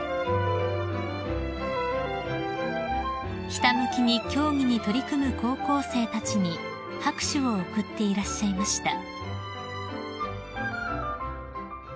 ［ひたむきに競技に取り組む高校生たちに拍手を送っていらっしゃいました］